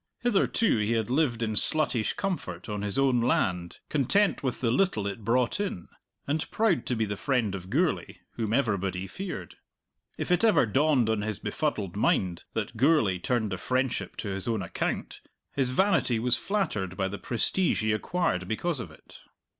Hitherto he had lived in sluttish comfort on his own land, content with the little it brought in, and proud to be the friend of Gourlay, whom everybody feared. If it ever dawned on his befuddled mind that Gourlay turned the friendship to his own account, his vanity was flattered by the prestige he acquired because of it.